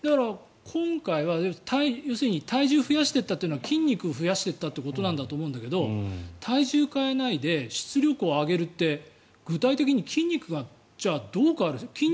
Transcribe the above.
今回は要するに体重を増やしていったというのは筋肉を増やしていったということだと思うんだけど体重変えないで出力を上げるって具体的に筋肉がじゃあどう変わるんですか？